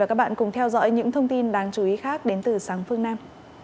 và các bạn cùng theo dõi những thông tin đáng chú ý khác đến từ sáng phương nam